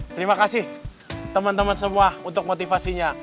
terima kasih temen temen semua untuk motivasinya